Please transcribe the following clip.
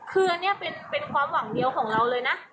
คืออันนี้เป็นความหวังเดียวของเราเลยนะ